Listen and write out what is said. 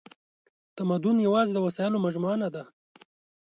تمدن یواځې د وسایلو مجموعه نهده.